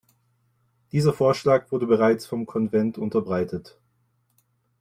Dieser Vorschlag wurde bereits vom Konvent unterbreitet.